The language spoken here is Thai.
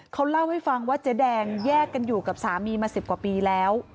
เขาเล่าให้ฟังว่าเจ๊แดงแยกกันอยู่กับสามีมา๑๐กว่าปีแล้ว